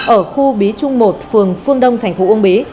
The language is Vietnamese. ở khu bí trung một phường phương đông tp hcm